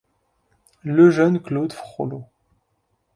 Lejeune Claude Frollo.